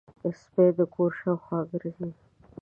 سپي د کور شاوخوا ګرځي.